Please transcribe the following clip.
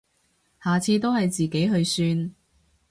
下次都係自己去算